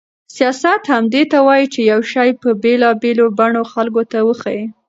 سیاست همدې ته وایي چې یو شی په بېلابېلو بڼو خلکو ته وښيي.